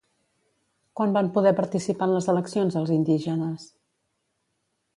Quan van poder participar en les eleccions els indígenes?